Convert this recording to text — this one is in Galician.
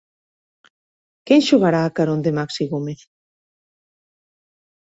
Quen xogará a carón de Maxi Gómez?